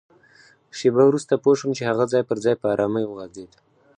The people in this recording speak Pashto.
شېبه وروسته پوه شوم چي هغه ځای پر ځای په ارامۍ وغځېد.